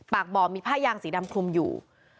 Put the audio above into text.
บ่อมีผ้ายางสีดำคลุมอยู่